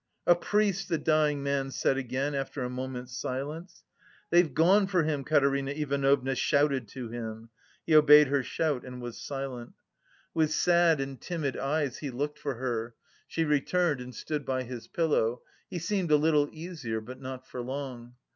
"A priest," the dying man said again after a moment's silence. "They've gone for him," Katerina Ivanovna shouted to him, he obeyed her shout and was silent. With sad and timid eyes he looked for her; she returned and stood by his pillow. He seemed a little easier but not for long.